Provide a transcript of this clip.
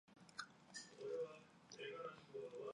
走到哪儿去。